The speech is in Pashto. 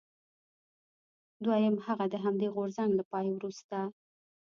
دویم هغه د همدې غورځنګ له پای وروسته.